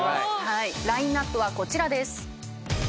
ラインアップはこちらです。